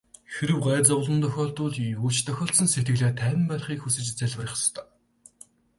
Хэрэв гай зовлон тохиолдвол юу ч тохиолдсон сэтгэлээ тайван байлгахыг л хүсэж залбирах ёстой.